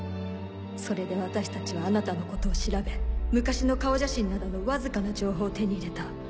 それで私たちはあなたのことを調べ昔の顔写真などのわずかな情報を手に入れた。